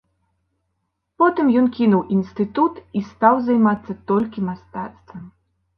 Потым ён кінуў інстытут і стаў займацца толькі мастацтвам.